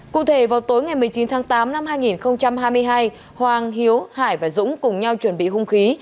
cụ thể vào tối ngày một mươi chín tháng tám năm hai nghìn hai mươi hai hoàng hiếu hải và dũng cùng nhau chuẩn bị hung khí